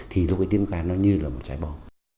thì lúc ấy tiến quân ca nó như là một trái bò